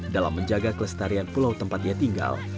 dalam menjaga kelestarian pulau tempat dia tinggal